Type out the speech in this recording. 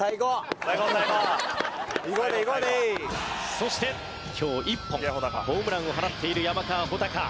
そして今日１本ホームランを放っている山川穂高。